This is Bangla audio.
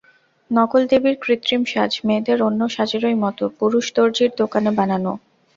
নকল দেবীর কৃত্রিম সাজ, মেয়েদের অন্য সাজেরই মতো, পুরুষ-দর্জির দোকানে বানানো।